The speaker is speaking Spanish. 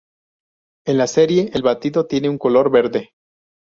En la serie el batido tiene un color verde.